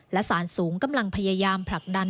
และสารสูงกำลังพยายามผลักดัน